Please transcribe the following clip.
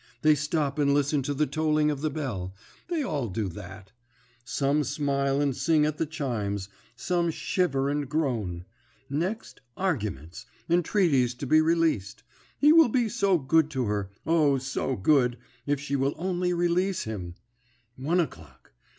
They stop and listen to the tolling of the bell they all do that. Some smile and sing at the chimes, some shiver and groan. Next arguments, entreaties to be released. He will be so good to her, O, so good, if she will only release him! One o'clock.